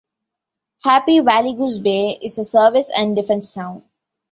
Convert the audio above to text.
Happy Valley-Goose Bay is a service and defence town.